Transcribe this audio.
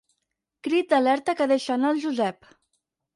Crit d'alerta que deixa anar el Josep.